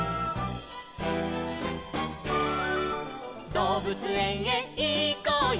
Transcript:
「どうぶつえんへいこうよ